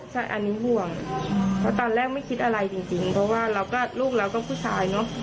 ฉันอันนี้ห่วงแต่ตอนแรกไม่คิดอะไรจริงเพราะว่าลูกเราก็ผู้ชายเนอะ